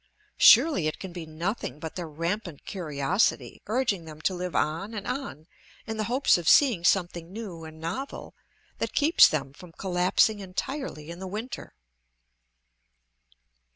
Surely it can be nothing but their rampant curiosity, urging them to live on and on in the hopes of seeing something new and novel, that keeps them from collapsing entirely in the winter.